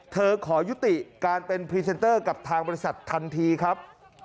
ขอยุติการเป็นพรีเซนเตอร์กับทางบริษัททันทีครับ